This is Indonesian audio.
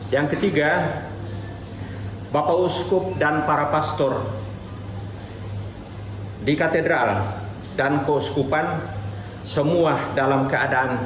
yang ketiga bapak uskup dan para pastor di katedral dan koskupan semua dalam keadaan